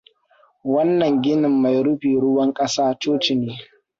Wannan ginin mai rufi ruwan ƙasa coci ne.